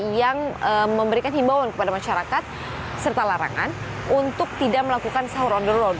yang memberikan himbauan kepada masyarakat serta larangan untuk tidak melakukan sahur on the road